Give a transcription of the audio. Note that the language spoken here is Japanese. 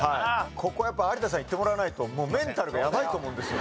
ここはやっぱ有田さんいってもらわないともうメンタルがやばいと思うんですよ。